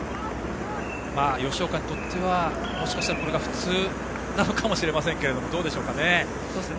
吉岡にとってはもしかしたら、これが普通なのかもしれませんけどどうでしょうかね。